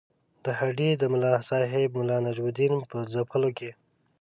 د هډې د ملاصاحب ملا نجم الدین په ځپلو کې.